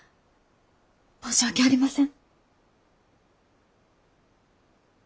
申し訳ありません。